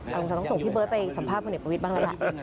อาจจะต้องส่งพี่เบิ้ลไปสัมภาพพละเนกประวิทย์บ้างแล้วล่ะ